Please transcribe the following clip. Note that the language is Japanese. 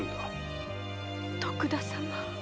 徳田様。